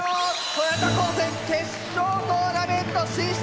豊田高専決勝トーナメント進出！